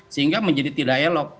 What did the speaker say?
sehingga menjadi tidak ya